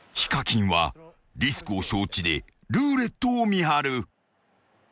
［ＨＩＫＡＫＩＮはリスクを承知でルーレットを見張る］